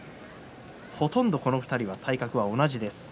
ほとんどこの２人は体格が同じです。